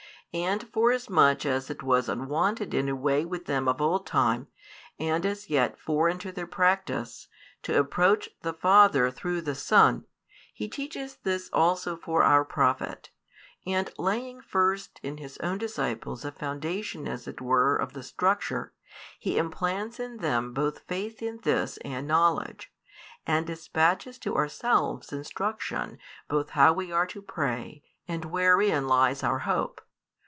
And forasmuch as it was unwonted in a way with them of old time, and as yet foreign to their practice, to approach the Father through the Son, He teaches this also for our profit, and laying first in His own disciples a foundation as it were of the structure, He implants in them both faith in this and knowledge, and despatches to ourselves instruction both how we are to pray and wherein lies our hope.